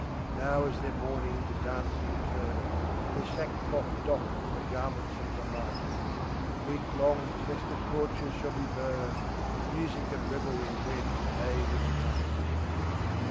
Now is their mourning into dancing turned, Their sackcloth doffed for garments of delight, Week long the festive torches shall be burned, Music and revelry wed day with night.